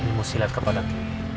ilmu silat kepada kay